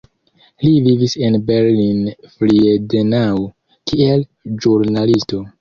Li vivis en Berlin-Friedenau kiel ĵurnalisto.